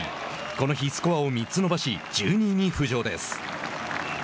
この日スコアを３つ伸ばし１２位に浮上です。